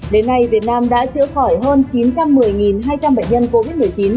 đến nay việt nam đã chữa khỏi hơn chín trăm một mươi hai trăm linh bệnh nhân covid một mươi chín